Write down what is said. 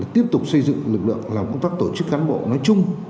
tiếp tục xây dựng lực lượng làm công tác tổ chức cán bộ nói chung